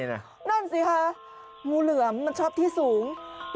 นั่นสิคะงูเหลือมมันชอบที่สูง